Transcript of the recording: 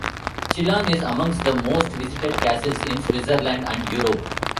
Chillon is amongst the most visited castles in Switzerland and Europe.